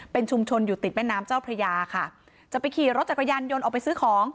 เป็นชุมชนอยู่ติดแม่น้ำเจ้าพระยาค่ะจะไปขี่รถจักรยานยนต์ออกไปซื้อของ